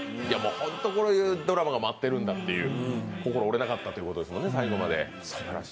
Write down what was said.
ホント、こういうドラマが待ってるんだという、最後まで心折れなかったということですもなね。